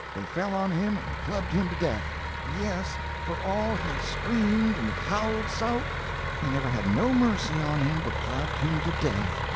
"They fell on him and clubbed him to death. "Yes, for all he screamed and howled so, they never had no mercy on him, but clubbed him to death.